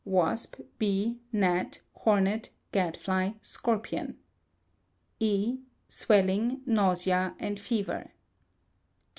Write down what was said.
(Wasp, bee, gnat, hornet, gadfly, scorpion.) E. Swelling, nausea, and fever.